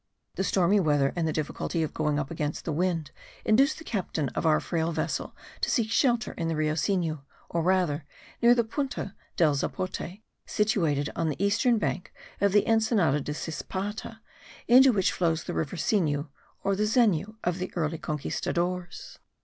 The stormy weather and the difficulty of going up against the wind induced the captain of our frail vessel to seek shelter in the Rio Sinu, or rather, near the Punta del Zapote, situated on the eastern bank of the Ensenada de Cispata, into which flows the river Sinu or the Zenu of the early Conquistadores.